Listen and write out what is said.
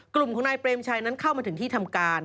กลุ่มของนายเปรมชัยนั้นเข้ามาถึงที่ทำการ